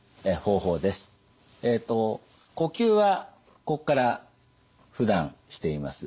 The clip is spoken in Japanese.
呼吸はここからふだんしています。